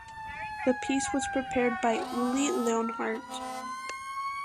The piece was prepared by Uli Leonhardt.